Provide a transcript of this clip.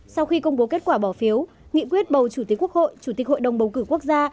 sau khi công bố kết quả bỏ phiếu nghị quyết bầu chủ tịch quốc hội chủ tịch hội đồng bầu cử quốc gia